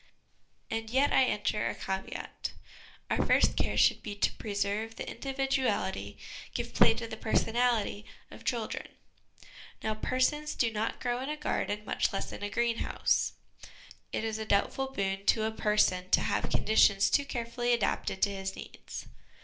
And yet I enter a caveat. Our first care should be to preserve the individuality, give play to the personality, of children. Now persons do not grow in a garden, much less in a greenhouse. It is a doubtful boon to a person to have conditions too carefully adapted to his needs.